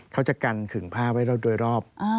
เขาจะกันขึงผ้าไว้โดยรอบ